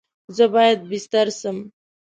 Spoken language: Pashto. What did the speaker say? زه باید بیستر سم؟